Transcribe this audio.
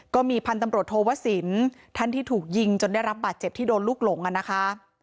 ก็มีพันธุ์ตำรวจโทวสินท่านที่ถูกยิงจนได้รับบาดเจ็บที่โดนลูกหลงอ่ะนะคะ